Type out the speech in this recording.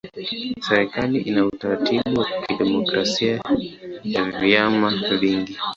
Serikali ina utaratibu wa kidemokrasia ya vyama vingi.